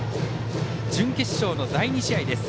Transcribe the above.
準決勝の第２試合です。